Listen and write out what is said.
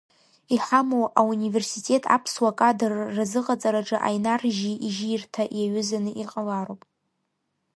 Иҳамоу ауниверситет аԥсуа кадр разыҟаҵараҿы Аинар жьи ижьирҭа иаҩызаны иҟалароуп.